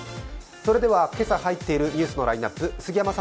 それでは今朝入っているニュースのラインナップ、杉山さん